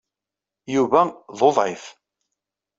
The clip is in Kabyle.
Yuba d uḍɛif.